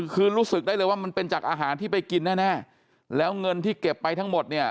คือรู้สึกได้เลยว่ามันเป็นจากอาหารที่ไปกินแน่แล้วเงินที่เก็บไปทั้งหมดเนี่ย